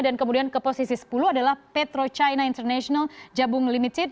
dan kemudian ke posisi sepuluh adalah petrochina international jabung limited